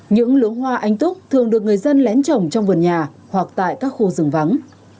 những lỗ hoa anh túc thường được người dân lén trồng trong vườn nhà hoặc tại các khu rừng vắng